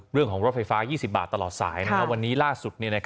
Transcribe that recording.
รถไฟฟ้า๒๐บาทตลอดสายวันนี้ล่าสุด